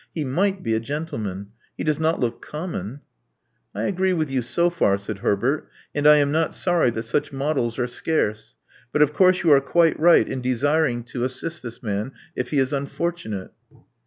He might be a gentleman. He does not look common." I ag^ee with you so far," said Herbert. And I am not sorry that such models are scarce. But of course you are quite right in desiring to assist this man, if he is unfortunate."